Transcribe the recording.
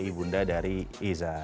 ibu nda dari izan